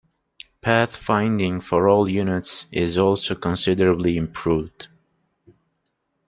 Pathfinding for all units is also considerably improved.